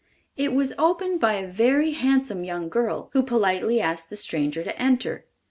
It was opened by a very handsome young girl, who politely asked the stranger to enter.